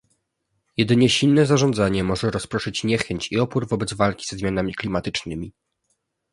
Jedynie silne zarządzanie może rozproszyć niechęć i opór wobec walki ze zmianami klimatycznymi